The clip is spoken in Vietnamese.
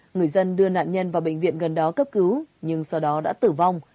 người dân đưa nạn nhân vào bệnh viện gần đó cấp cứu nhưng sau đó đã tử vong